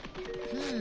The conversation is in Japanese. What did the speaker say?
うん。